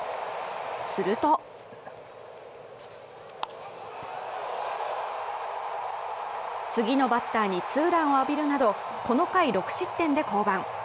すると、次のバッターにツーランを浴びるなど、この回、６失点で降板。